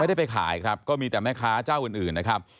ได้ไปขายครับก็มีแต่แม่ค้าเจ้าอื่นนะครับ